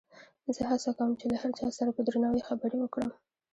زه هڅه کوم چې له هر چا سره په درناوي خبرې وکړم.